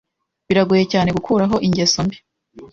Biragoye cyane gukuraho ingeso mbi.